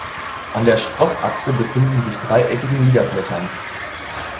An der Sprossachse befinden sich dreieckige Niederblättern.